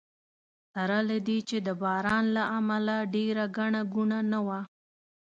سره له دې چې د باران له امله ډېره ګڼه ګوڼه نه وه.